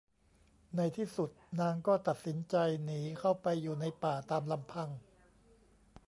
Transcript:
ในที่สุดนางก็ตัดสินใจหนีเข้าไปอยู่ในป่าตามลำพัง